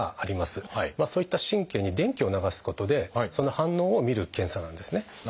そういった神経に電気を流すことでその反応を見る検査なんですね。